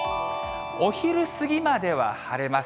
お昼過ぎまでは晴れます。